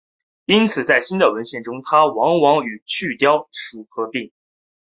因此在新的文献中它往往与隼雕属合并。